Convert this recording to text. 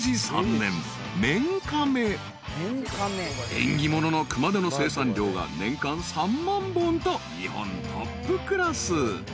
［縁起物の熊手の生産量が年間３万本と日本トップクラス］